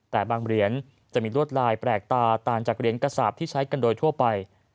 แต่บางเหรียญจะมีลวดลายแปลกตาต่างจากเหรียญกระสาปที่ใช้กันโดยทั่วไป